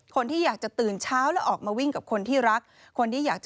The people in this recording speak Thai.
คนที่อยากจะตื่นเช้าแล้วออกมาวิ่งกับคนที่รัก